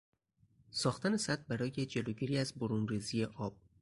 ساختن سد برای جلوگیری از برونریزی آب